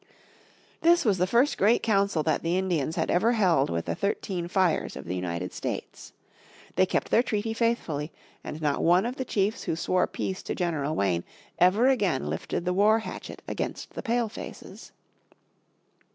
This was the first great council that the Indians had ever held with the "thirteen fires" of the United States. They kept their treaty faithfully, and not one of the chiefs who swore peace to General Wayne ever again lifted the war hatchet against the Pale faces.